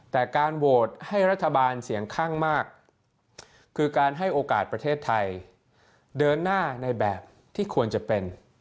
แต่การโหวตให้รัฐบาลเสียงข้างมากคือการให้โอกาสประเทศไทยเดินหน้าในแบบที่ควรจะเป็น